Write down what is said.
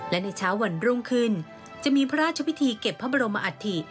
และในเช้าวันรุ่งขึ้นจะมีพระราชพิธีเก็บพระบรมอัฐิ